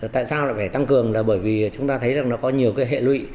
tại sao lại phải tăng cường là bởi vì chúng ta thấy rằng nó có nhiều cái hệ lụy